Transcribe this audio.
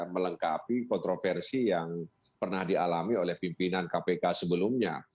melengkapi kontroversi yang pernah dialami oleh pimpinan kpk sebelumnya